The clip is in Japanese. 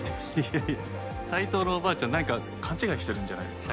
いや斉藤のおばあちゃんなんか勘違いしてるんじゃないですか？